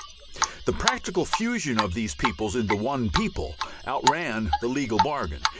The practical fusion of these peoples into one people outran the legal bargain.